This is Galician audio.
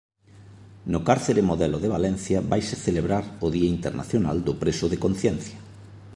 No cárcere Modelo de Valencia vaise celebrar o Día Internacional do Preso de Conciencia.